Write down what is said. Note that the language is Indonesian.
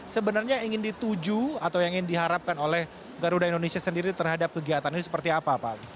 sebenarnya ingin dituju atau yang ingin diharapkan oleh garuda indonesia sendiri terhadap kegiatan ini seperti apa pak